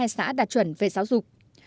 một mươi hai xã đạt chuẩn về giáo dục